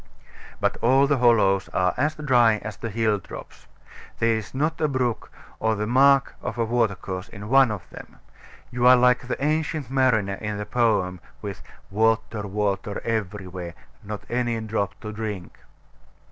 But all the hollows are as dry as the hill tops. There is not a brook, or the mark of a watercourse, in one of them. You are like the Ancient Mariner in the poem, with "Water, water, every where, Nor any drop to drink."